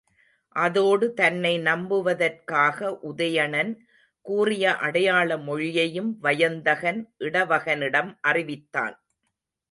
அதோடு தன்னை நம்புவதற்காக உதயணன் கூறிய அடையாள மொழியையும் வயந்தகன், இடவகனிடம் அறிவித்தான்.